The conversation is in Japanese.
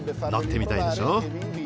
乗ってみたいでしょう？